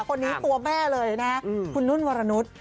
คนนี้ตัวแม่เลยนะคุณนุ่นวรนุษย์